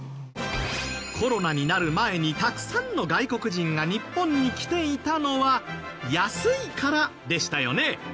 コロナになる前にたくさんの外国人が日本に来ていたのは安いからでしたよね。